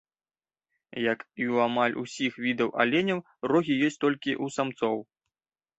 Як і ў амаль усіх відаў аленяў, рогі ёсць толькі ў самцоў.